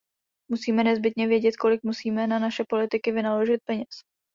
Musíme nezbytně vědět, kolik musíme na naše politiky vynaložit peněz.